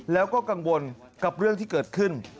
แล้วก็กังวลกับเรื่องที่เกิดขึ้น